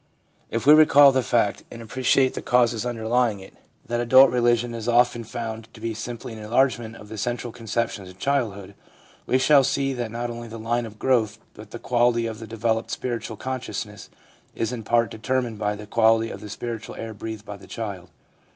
If we recall the fact, and appreciate the causes underlying it, that adult religion 3 oo THE PSYCHOLOGY OF RELIGION is so often found to be simply an enlargement of the central conceptions of childhood, we shall see that not only the line of growth but the quality of the developed spiritual consciousness is in part determined by the quality of the spiritual air breathed by the child.